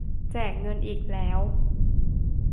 แจกเงินอีกแล้ว